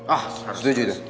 ah harus didikin